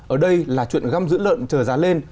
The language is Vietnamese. ở đây là chuyện găm giữ lợn chờ giá lên